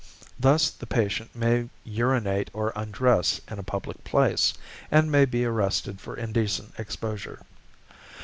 Thus the patient may urinate or undress in a public place, and may be arrested for indecent exposure.